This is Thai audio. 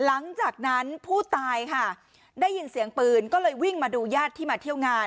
หลังจากนั้นผู้ตายค่ะได้ยินเสียงปืนก็เลยวิ่งมาดูญาติที่มาเที่ยวงาน